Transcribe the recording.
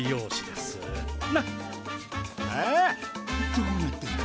どうなってんだ？